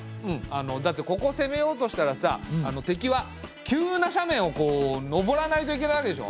だってここを攻めようとしたらさ敵は急な斜面をこう登らないといけないわけでしょ。